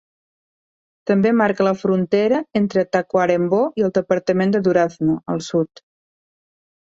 També marca la frontera entre Tacuarembó i el departament de Durazno, al sud.